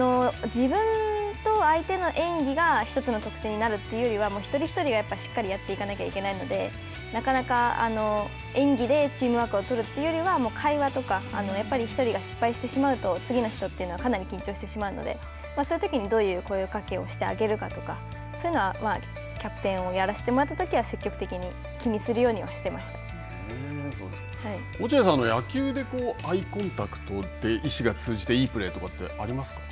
自分と相手の演技が１つの得点になるというよりは一人一人がしっかりやっていかなきゃいけないので、なかなか演技でチームワークを取るというよりは会話とかやっぱり１人が失敗してしまうと次の人というのはかなり緊張してしまうので、そういうときにどういう声かけをしてあげるかとか、そういうのはキャプテンをやらせてもらったときは積極的に気にす落合さん、野球でアイコンタクトで意思が通じて、いいプレーとかってありますか。